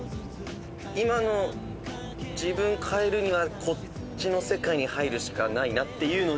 今の自分を変えるにはこっちの世界に入るしかないなっていうので。